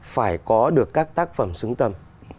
phải có được các tác phẩm xứng tâm